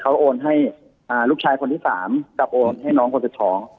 เค้าโอนให้ลูกชายคนที่๓กลับโอนให้น้องคนเด็ดท้อง